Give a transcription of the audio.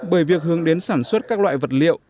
bởi việc hướng đến sản xuất các loại vật liệu